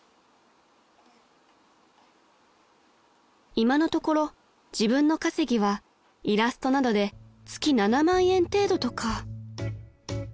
［今のところ自分の稼ぎはイラストなどで月７万円程度とか］